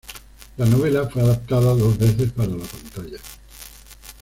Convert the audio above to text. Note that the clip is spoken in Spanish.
La novela fue adaptada dos veces para la pantalla.